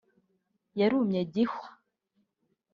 Yarumye Gihwa